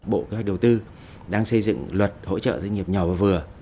bộ kế hoạch đầu tư đang xây dựng luật hỗ trợ doanh nghiệp nhỏ và vừa